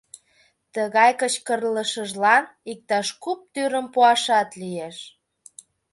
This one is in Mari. Тыгай кычкырлышыжлан иктаж куп тӱрым пуашат лиеш.